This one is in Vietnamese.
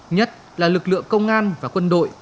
nhất là lực lượng công an và quân đội